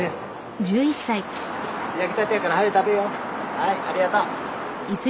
はいありがとう。